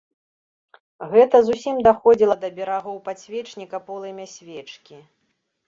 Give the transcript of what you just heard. Гэта зусім даходзіла да берагоў падсвечніка полымя свечкі.